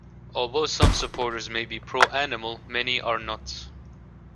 Although some supporters may be pro-animal, many are not.